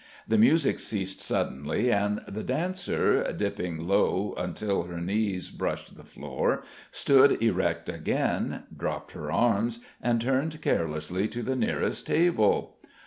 The music ceased suddenly, and the dancer, dipping low until her knees brushed the floor, stood erect again, dropped her arms, and turned carelessly to the nearest table.